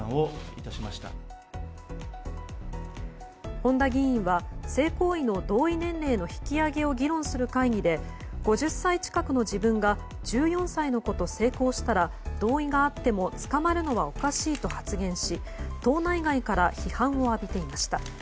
本多議員は性行為の同意年齢の引き上げを議論する会議で５０歳近くの自分は１４歳の子と性交したら同意があっても捕まるのはおかしいと発言し党内外から批判を浴びていました。